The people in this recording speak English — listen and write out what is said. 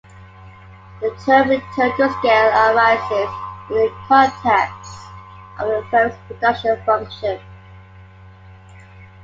The term returns to scale arises in the context of a firm's production function.